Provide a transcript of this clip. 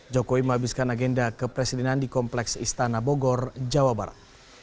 jokowi menghabiskan agenda kepresidenan di kompleks istana bogor jawa barat